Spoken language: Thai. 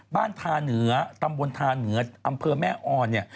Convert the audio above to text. ทาเหนือตำบลทาเหนืออำเภอแม่ออนเนี่ย